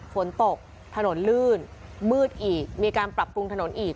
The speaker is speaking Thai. ฝนตกถนนลื่นมืดอีกมีการปรับปรุงถนนอีก